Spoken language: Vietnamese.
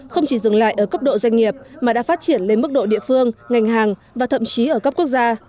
không chỉ dừng lại ở cấp độ doanh nghiệp mà đã phát triển lên mức độ địa phương ngành hàng và thậm chí ở cấp quốc gia